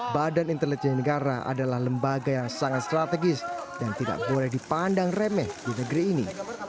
badan intelijen negara adalah lembaga yang sangat strategis dan tidak boleh dipandang remeh di negeri ini